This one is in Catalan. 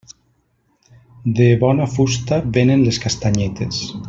De bona fusta vénen les castanyetes.